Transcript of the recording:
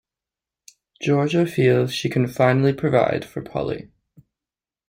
Georgia feels she can finally provide for Polly.